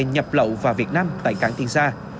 nhập lậu vào việt nam tại cảng tiên xa